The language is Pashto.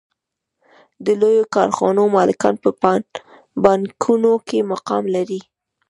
د لویو کارخانو مالکان په بانکونو کې مقام لري